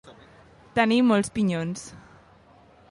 Tenir molts pinyons.